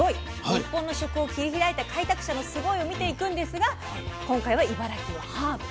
日本の食を切り開いた開拓者のスゴイを見ていくんですが今回は茨城のハーブ。